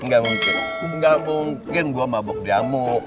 enggak mungkin enggak mungkin gua mabuk jamu